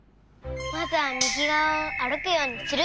まずはみぎがわをあるくようにする。